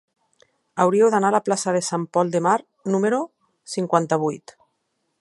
Hauria d'anar a la plaça de Sant Pol de Mar número cinquanta-vuit.